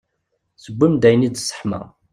Tewwi-d ayen i d-tesseḥma.